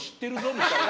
みたいな。